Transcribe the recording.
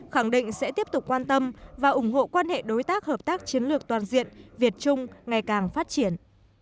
khẳng định sẽ tiếp tục quan tâm và ủng hộ quan hệ đối tác hợp tác chiến lược toàn diện việt trung ngày càng phát triển